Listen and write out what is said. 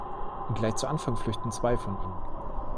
Gleich zu Anfang flüchten zwei von ihnen.